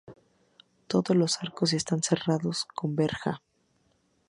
Todos los arcos están cerrados con verja.